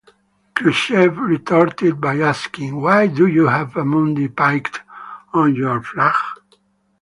Khrushchev retorted by asking, Why do you have a moon depicted on your flag?